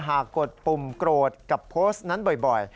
กดปุ่มโกรธกับโพสต์นั้นบ่อย